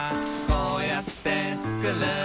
こうやってつくる」